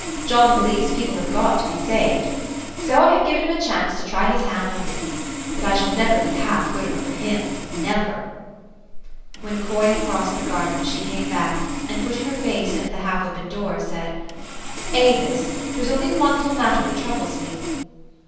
John believes people have got to be saved. So I have given him a chance to try his hand on me. But I shall never be half good enough for him, never !'' When Coy had crossed the garden, she came back, and, putting her face in at the half open door, said, 162 THE STORY OF AVIS. " Avis, there's only one little matter that troubles me."